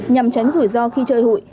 nhằm tránh rủi ro khi chơi hội